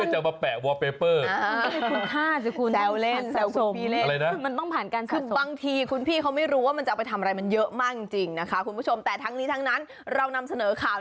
เฮ่ยร้านที่มันติดกันแล้วร้านนี้มันสวย